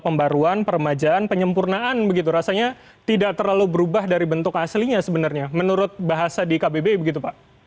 pembaruan peremajaan penyempurnaan begitu rasanya tidak terlalu berubah dari bentuk aslinya sebenarnya menurut bahasa di kbbi begitu pak